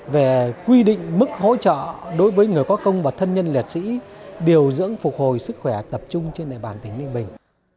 về quy định mức hỗ trợ đối với người có công và thân nhân liệt sĩ điều dưỡng phục hồi sức khỏe tập trung trên địa bàn tỉnh ninh bình